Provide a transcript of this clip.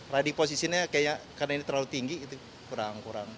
riding posisinya karena ini terlalu tinggi kurang kurang